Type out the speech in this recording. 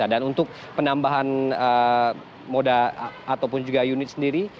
dan untuk penambahan moda ataupun juga unit sendiri